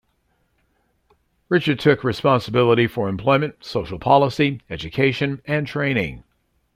Richard took responsibility for Employment, Social Policy, Education and Training.